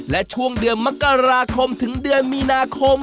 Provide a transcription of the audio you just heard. และช่วงเดือนมกราคมถึงเดือนมีนาคม